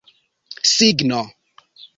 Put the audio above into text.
signo